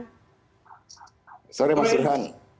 selamat sore mas burhan